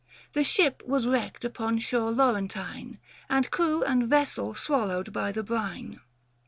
The ship was wrecked upon shore Laurentine And crew and vessel swallowed by the brine.